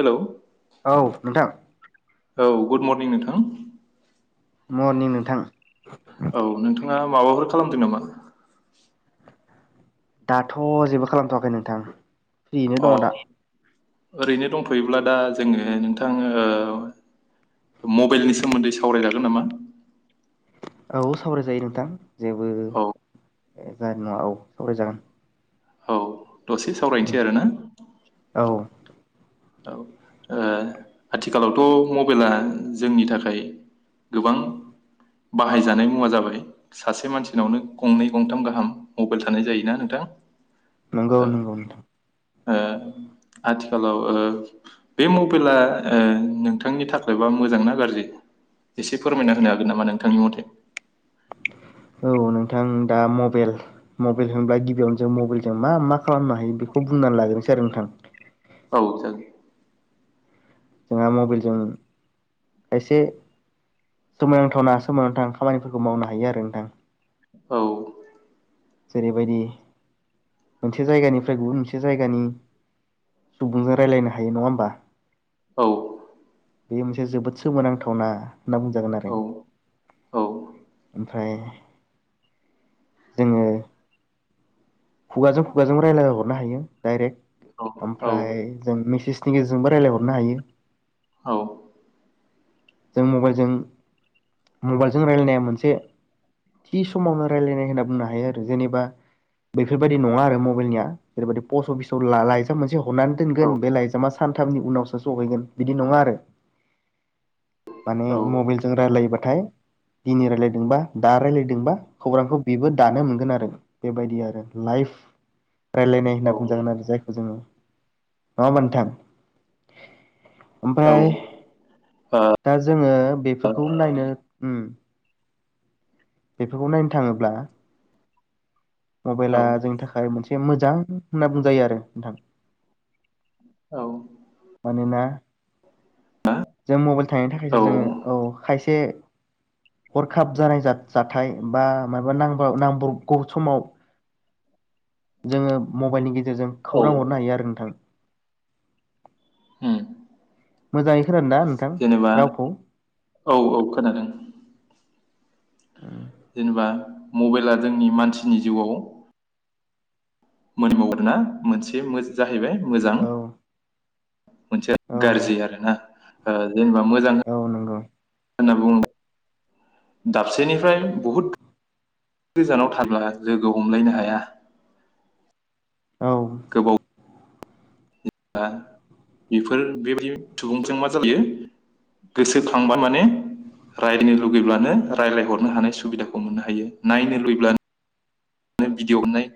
Hello औ नोंथां। औ गुड मरनिं नोंथां। मरनिं नोंथां। नोंथाङा माबाफोर खालामदो नामा? दाथ' जेबो खालामथ'वाखै नोंथां। फ्रियैनो अ दङ' दा। ओरैनो दंथ'योब्ला दा जोङो नोंथां ओ मबेलनि सोमोन्दै सावरायजागोन नामा? औ सावरायजायो नोंथां। जेबो ए औ जानाय नङा औ सावरायजागोन। औ दसे सावरायनोसै आरो ना। औ औ ओ आथिखालावथ' मबाइला जोंनि थाखाय गोबां बाहायजानाय मुवा जाबाय सासे मानसिनावनो गंनै गंथाम गाहाम मबाइल थानाय जायोना नोंथां। नंगौ ओ नंगौ नोंथां। ओ आथिखालाव बे मबाइला ओ नोंथांनि थाखायबा मोजांनाा गाज्रि एसे फोरमायना होनो हागोन नामा नोंथांनि मथे औ नोंथां दा मबाइल मबाइल होनब्ला गिबियावनो जों मबाइलजों मा मा खालामनो हायो बेखौ बुंनानै लाग्रोसै आरो नोंथां। औ जागोन। जोंहा मबाइलजों खायसे सोमोनांथावना सोमोनांथाव खामानिफोरखौ मावनो हायो आरो नोंथां। औ। जेरैबायदि मोनसे जायगानिफ्राय गुबुन मोनसे जायगानि सुबुंजों रायलायनो हायो नङा होमबा औ बेयो मोनसे जोबोद सोमोनांथावना होनना बुंजागोन आरो औ ओमफ्राय जोङो खुगाजों खुगाजों रायजलाय हरनो हायो डाइरेक्ट औ ओमफ्राय जों मि सनि गेजेरजोंबो रायज्लायहरनो हायो। औ। जों मबाइलजों मबाइलजों रायलायनाया मोनसे थि समावनो रायलायनाय होनना बुंनो हायो आरो जेनेबा बैफोरबायदि नङा आरो मबाइलनिया जेरैबायदि पस्ट अफिसाव लाइजाम मोनसे हरनानै दोनगोन बे लाइजामा सानथामनि उनावसो सहैगोन बिदि नङा आरो। माने मबाइलजों रायलायोबाथाय दिनै रायलायदोंबा दा रायलायदोंबा खौरांखौ बेबो दानो मोनगोन आरो बेबायदि आरो लाइफ राय्लायनाय होनना बुंजागोन आरो जायखौ जोङो मा मोनथाम? ओमफ्राय दा जोङो बेफोरखौ नायनो उम। बेफोरखौ नायनो थाङोब्ला मबाइला जोंनि थाखाय मोनसे मोजां होनना बुंजायो आरो नोंथां। औ। मानोना जों मबाइल थांनो थाखायसो जोङो औ। खायसे हरखाब जानाय जा-जाथाय बा माबा नांब नांबावगौ समाव जोङो मबाइलनि गेजेरजों खौरां हरनो उम हायो आरो नोंथां । मोजाङै खोनादों ना नोंथां जेनेबा रावखौ औ औ खोनादों । ओम। जेनेबा मबाइला जोंनि मानसिनि जिउआव मोनबावो आरोना मोनसे मोजां जाहैबाय मोजां औ मोनसे औ गाज्रिआ आरो ना? ओ औ नंगौ। होना बुंबा दाबसेनिफ्राय बहुद गोजानाव थाब्ला लोगो हमलायनो हाया। औ बा बेफोर बेबायदि सुबुंजों मा जायो, गोसोखांबानो माने रायजलायनो लुुबैब्लानो रायज्लायहरनो हानाय सुबिदाखौ मोननो हायो। नायनो लुबैब्लानो भिडिय हर'नाय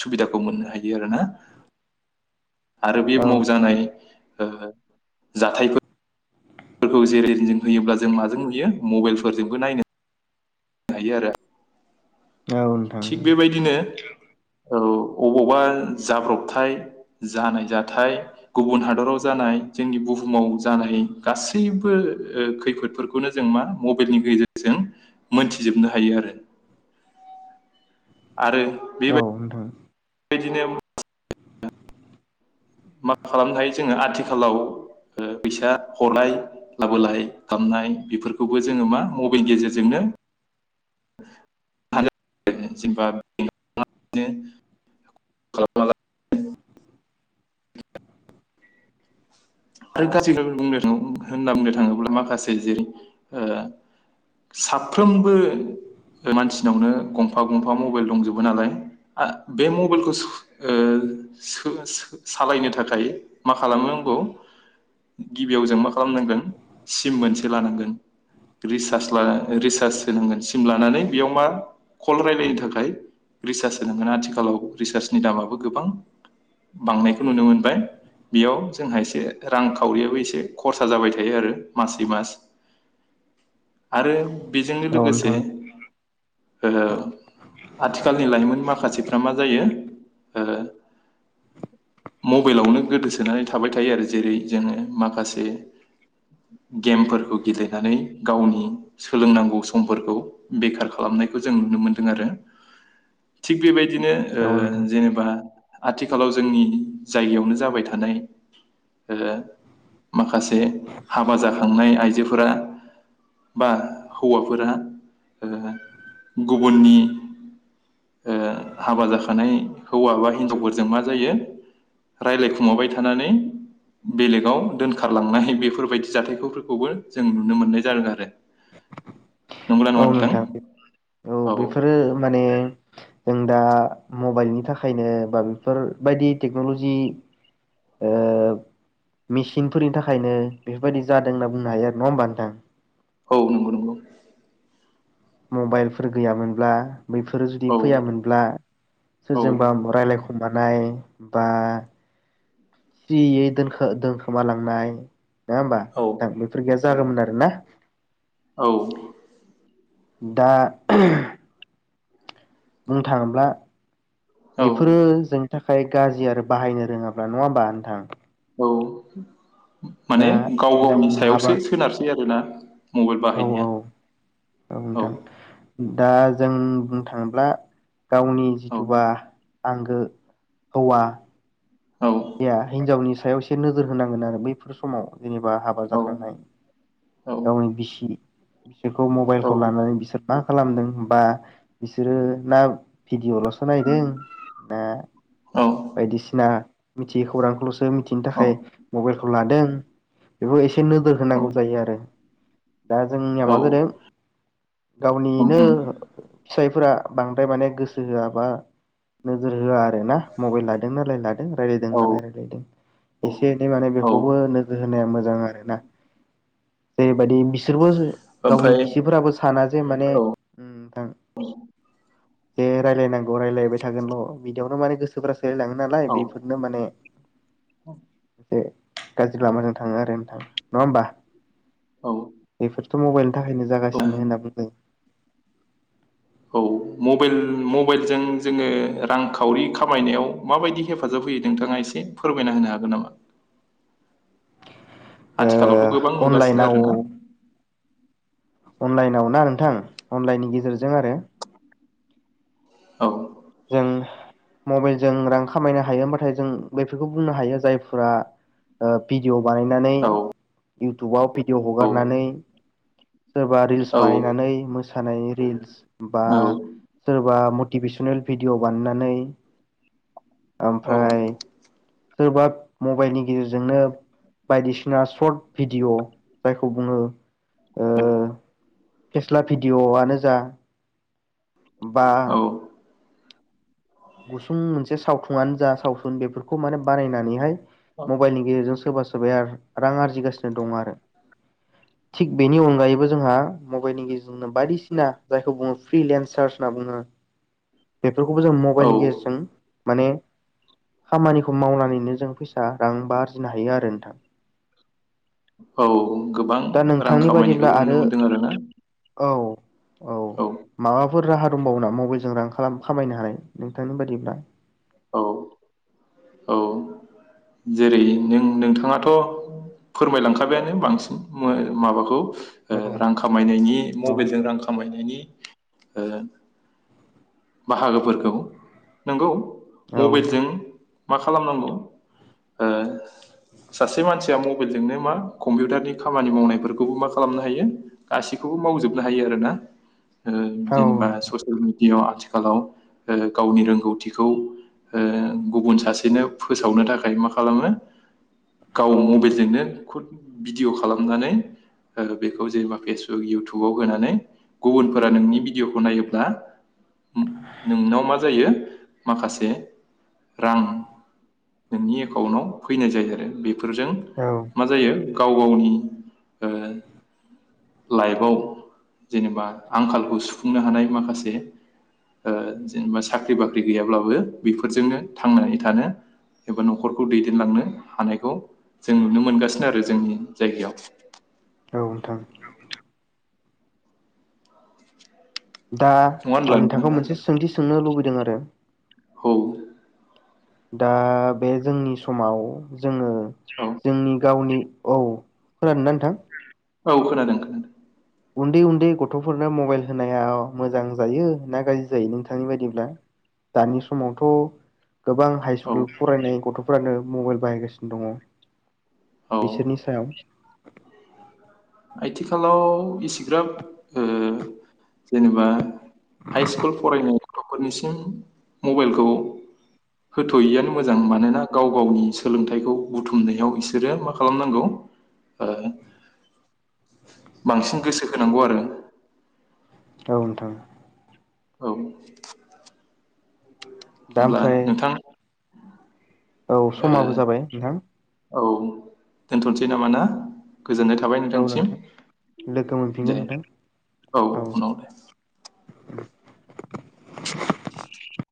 सुबिदाखौ मोननो हायो आरो ना। आरो बे औ मावजानाय ओ जाथाय फोरखौ जेरै जों होयोब्ला जों माजों नुयो। मबाइलफोर जोंबो नायनो हायो आरो, औ नोंथां थिग बेबायदिनो औ अबावबा जाब्रबथाय जानाय जाथाइ गुबुन हादराव जानाय जोंनि बुहुमाव जानाय गासैबो ओ खैफोदफोरखौनो जों मा मबाइलनि गेजेरजों मोनथिजोबनो हायो आरो आरो औ नोंथां बेबाय दिनो मा खालामनो हायो जोङो ‌आथिखालाव ओ फैसा हरलाय लाबोलाय खालामनाय बेफोरखौबो जोङो मा मबाइलनि गेजेरजोंनो [unintelligible] [inaudible] आरो गासै होना बुंनो थाङो होनना बुंनो थाङोब्ला माखासे जेरै ओ साफ्रोमबो मानसिनावनो गंफा गंफा मबाइल दंजोबो नालाय आ बे मबाइलखौ सो ओ सो-सो-सालायनो थाखाय माखा खालामनांगौ गिबियाव जों मा खालामनांगोन सिम मोनसे लानांगोन। रिसार्ज लाना रिसार्ज सोनांगोन सिम लानानै बेयाव मा कल रायलायनो थाखाय रिसार्ज होनांगोन। आथिखालाव रिसार्जनि दामाबो गोबां बांनायखौ नुनो मोनबाय। बेयाव जोंहा एसे रांखावरियाबो एसे खरसा जाबाय थायो आरो मासै मास आरो बेजोंनो औ लोगोसे नोंथां ओ आथिखालनि लाइमोन मा माखासेफ्रा मा जायो। ओ मबाइलावनो गोदोसो सोनानै थाबाय थायो आरो जेरै जोङो माखासे गेमफोरखौ गेलेनानै गावनि सोलोंनांगौ समफोरखौ बेखार खालामनायखौ जों नुनो मोनदों आरो थिग बेबायदिनो ओ औ नोंथां जेनेबा आथिखालाव जोंनि जायगायावनो जाबाय था नाय ओ माखासे हाबा जाखांनाय आइजोफोरा बा हौवाफोरा ओ गुबुननि ओ हाबा जाखानाय हौवा बा हिनजावफोरजों मा जायो। रायलाय खु माबाय थानानै बेलेगाव दोनखारलांनाय। बेफोरबायदि जाथायफोरखौबो जों नुनो मोननाय जादों आरो नंगौना नङा औ नोंथां औ बेफोरो माने जों दा मबाइलनि थाखायनो बा बेफोरबायदि टेक्न'लजि ओ मेसिनफोरनि थाखायनो बेफोरबायदि जादों होनना बुंनो हायो आरो नङा होमबा नोंथां। औ नोंगौ नोंगौ। मबाइलफोर गैयामोनब्ला बैफोरो जुदि औ फैयामोनब्ला औ सोरजोंबा रायज्लायखु मानाय बा सियै दोनखो-दोनखोमालांनाय नङा होमबा नोंथां? औ बेफोर गैया जागौमोन आरोना? औ दा बुंनो थाङोब्ला औ बेफोरो जोंनि था खाय गाज्रि आरो बाहायनो रोङाब्ला नङा होमबा नोंथां? औ माने दा गाव जों गावनि हाबा सायावसो सोनारसै आरोना? मबाइल औ औ बाहायनाया औ नोंथां। दा जों बुंनो थाङोब्ला गावनि औ जिथुबा आंगो हौवा औ या हिनजावनि सायाव एसे नोजोर होनांगोन आरो बैफोर समाव जेनेबा हाबा औ जाखांनाय औ गावनि बिसि बेखौ औ मबाइलखौ लानानै बिसोर मा खालामदों बा बिसोरो ना भिडिअ'ल'सो नायदों ना बायदिसिना मिथियै खौरांखौल'सो मिथिनो औ थाखाय मबाइलखौ लादों बेबो एसे नोजोर होनांगौ जायो आरो। दा जोंनिया औ मा जादों उम गावनिनो उम फिसायफोरा बांद्राय माने गोसो होआबा नोजोर होआ आरोना मबाइल लादों लाइन लादों औ नायदोंना रायलायदों एसे एनै माने औ बेखौबो नोजोर होनाया मोजां आरोना। जेरै बायदि बिसोरबो गावनि ओमफ्राय बिसिफोराबो साना जे माने औ जे [unintelligible] रायलायनांगौ रायलायबाय थागोल' बिदियावनो माने गोसोफ्रा सोलायलाङो नालाय बे माने औ एे गाज्रि लामाजों थाङो आरो नोंथां नङा होमबा औ बेफोर मबाइल थाखायनो औ जागासिनो होनना बुंदों औ मबल मबाइलजों जोङो रांखावरि खामायनायाव माबायदि हेफाजाब होयो नोंथाङा एसे फोरमायना होनो हागोन नामा ओ आथिखालावथ' गोबां नुगासिनो अनलाइनाव आरोोना अनलाइनाव ना नोंथां अनलाइननि गेजेरजों आरो औ जों मबाइलजों रां खामायनो हायो होमबाथाय जों बेफोरखौ बुंनो हायो जायफोरा ओ भिडिअ बानायनानै औ युटुबाव भिडिअ हगारनानै सोरबा रिल्स औ बानायनानै मोसानाय रिल्स बा औ सोरबा मटिभेसनेल भिडिअ बानायनानै ओमफ्राय सोरबा मबाइलनि गेजेरजोंनो बायदिसिना सर्ट भिडिय' जायखौ बुङो फेस्ला भिडिय'आनो जा बा औ गुसुं मोनसे सावथुनानो जा सावथुन बेफोरखौ माने बारायनानैहाय मबाइलनि गेजेरजों सोरबा सोर बाया रां आरजिगासिनो दं आरो। थिग बेनि अनगायैबो जोंहा मबाइलनि गेजेरजोंनो बायदिसिना जायखौ बुङो फ्रिलेनचार्ज होनना बुङो बेफोरखौबो औ [unintelligible] गेजेरजों माने खामानिखौ मावनानैनो जों फैसा रां बा आरजिनो हायो आरो नोंथां। औ गोबां दा रां नोंथांनि बायदिब्ला खामायनायखौबो नुनो आरो मोन्दों आरोना। औ औ माबा फोर राहा दंबावो ना मबाइलजों रां खालाम खामायनो हानाय नोंथांनि बादिब्ला? औ औ जेरै नों नोंथाङाथ' फोरमायलांखाबायानो बांसिन [unintelligible] माबाखौ औ रां खामायनायनि औ मबाइलजों रां खामायनायनि ओ बाहागोफोरखौ नंगौ। मबाइलजों नोंथां मा खालामनांगौ ओ सासे मानसिया मबाइलजोंनो मा कम्पिउटारनि खामानि मावनायफोरखौबो मा खालामनो हायो गासैखौबो मावजोबनो हायो आरोना। ओं औ जेनेबा ससियेल मिडिआव आथि थिखालाव ओ गावनि रोंगौथिखौ ओ गुबुन सासेनो फोसावनो थाखाय मा खालामो गाव मबाइलजोंनो खुद भिडिय' खालामनानै ओ बेखौ जेनेबा फेसबुक इउटुबाव होनानै गुबुनफोरा नोंनि भिडिय'खौ नायोब्ला नोंनाव मा जायो माखासे रां नोंनि एकाउन्टआव फैनाय जायो आरो बे फोरजों औ मा जायो गाव गावनि ओ लाइफआव जेनेबा आंखालखौ सुफुंनो हानाय माखासे ओ जेनेबा साख्रि बाख्रि गैयाब्लाबो बेफोरजोंनो थांनानै थानो एबा न'खरखौ दैदेनलांनो हानायखौ जों नुनो मोनगासिनो आरो जोंनि जायगायाव। औ नोंथां । दा नङा आं होनब्ला नोंथां नोंथांखौ मोनसे सोंथि सोंनो लुबैदों आ [unintelligible] औ । दा बे जोंनि समाव जोङो जोंनि गावनि औ खोनादोंना नोंथां? औ खोनादों खोनादों । उन्दै उन्दै गथ'फोरनो मबाइल होनाया मोजां जायो ना गाज्रि जायो नोंथांनि बायदिब्ला? दानि समावथ' गोबां हाइ औ स्कुल फरायनाय गथ'फोरानो मबाइल बाहायगासिनो दङ । औ बिसोरनि सायाव आथिखालाव इसेग्राब ओ जेनेबा हाइ स्कुल फरायनाय गथ'फोरनिसिम मबाइलखौ होथ'यैआानो मोजां मानोना गाव गावनि सोलोंथाइखौ बुथुमनायाव बिसोरो मा खालामनांगौ ओ बांसिन गोसो होनांगौ आरो । औ नोंथां। औ । दा होमब्ला ओमफ्राय नोंथां औ समाबो ओ जाबाय नोंथां औ दोनथ'नोसै नामा ना? गोजोननाय थाबाय औ नोंथांनिसिम नोंथां लोगो दे मोनफिनगोन नोंथां औ उनाव दे । [inaudible]